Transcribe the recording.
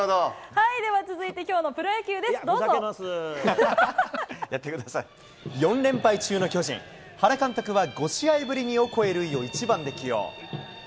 では続いて、きょうのプロ野４連敗中の巨人、原監督は５試合ぶりにオコエ瑠偉を１番で起用。